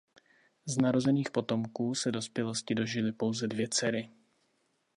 Z narozených potomků se dospělosti dožily pouze dvě dcery.